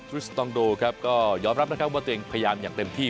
สตองโดครับก็ยอมรับนะครับว่าตัวเองพยายามอย่างเต็มที่